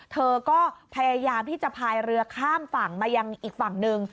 เธอก็พยายามที่จะพายเรือข้ามฝั่งมายังอีกฝั่งหนึ่ง